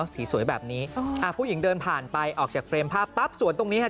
สีสวยแบบนี้ผู้หญิงเดินผ่านไปออกจากเฟรมภาพปั๊บสวนตรงนี้ฮะ